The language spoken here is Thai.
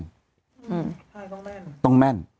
ใครต้องแม่น